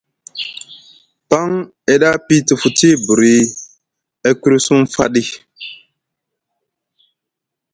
Paŋ e ɗa piyiti futi buri e kûri suŋfaɗi᷆.